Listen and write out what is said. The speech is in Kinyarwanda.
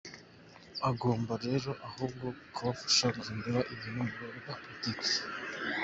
Agomba rero ahubwo kubafasha guhindura ibintu mu rwego rwa politiki.